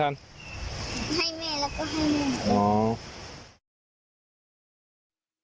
ให้เมล็ดแล้วก็ให้หมด